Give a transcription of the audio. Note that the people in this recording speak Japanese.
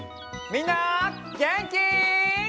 みんなげんき？